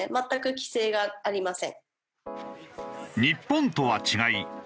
日本とは違い